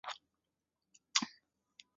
现在马森登神殿是国家信托财产。